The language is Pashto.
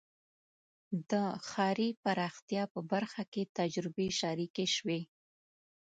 د ښاري پراختیا په برخه کې تجربې شریکې شوې.